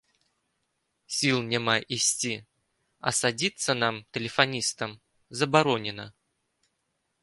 Сіл няма ісці, а садзіцца нам, тэлефаністам, забаронена.